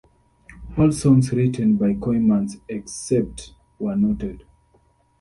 All songs written by Kooymans except where noted.